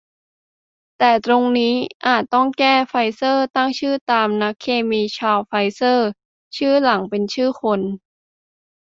แต่ตรงนี้อาจต้องแก้ "ไฟเซอร์ตั้งชื่อตาม นักเคมี ชารล์ ไฟเซอร์" ชื่อหลังเป็นชื่อคน